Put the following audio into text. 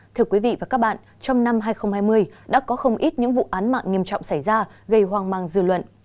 thưa quý vị và các bạn trong năm hai nghìn hai mươi đã có không ít những vụ án mạng nghiêm trọng xảy ra gây hoang mang dư luận